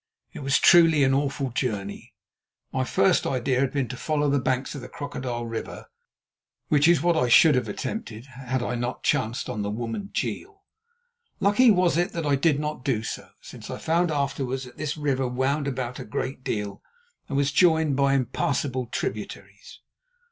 It was a truly awful journey. My first idea had been to follow the banks of the Crocodile River, which is what I should have attempted had I not chanced on the woman, Jeel. Lucky was it that I did not do so, since I found afterwards that this river wound about a great deal and was joined by impassable tributaries.